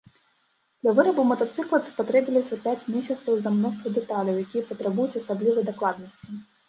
Для вырабу матацыкла спатрэбілася пяць месяцаў з-за мноства дэталяў, якія патрабуюць асаблівай дакладнасці.